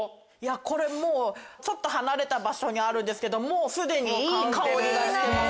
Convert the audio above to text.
これちょっと離れた場所にあるんですけどもうすでにいい香りがしてます。